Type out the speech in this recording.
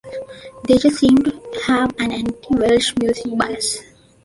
They just seem to have an anti-Welsh music bias.